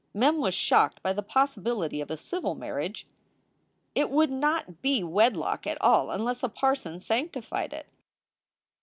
Mem was shocked by the possibility of a civil marriage. 366 SOULS FOR SALE It would not be wedlock at all unless a parson sanctified it.